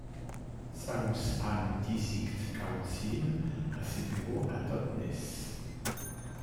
South Hams Disict Council a ses bureaux à Totnes.